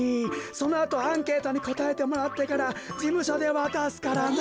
そのあとアンケートにこたえてもらってからじむしょでわたすからね。